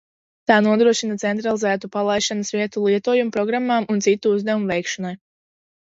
Tā nodrošina centralizētu palaišanas vietu lietojumprogrammām un citu uzdevumu veikšanai.